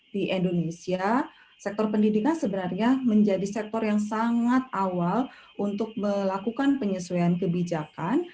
di indonesia sektor pendidikan sebenarnya menjadi sektor yang sangat awal untuk melakukan penyesuaian kebijakan